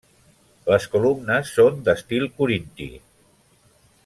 Les columnes són d'estil corinti.